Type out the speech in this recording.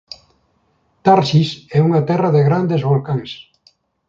Tharsis é unha terra de grandes volcáns.